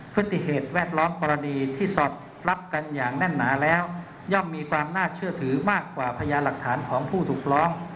ฤติเหตุแวดล้อมกรณีที่สอดรับกันอย่างแน่นหนาแล้วย่อมมีความน่าเชื่อถือมากกว่าพยานหลักฐานของผู้ถูกร้อง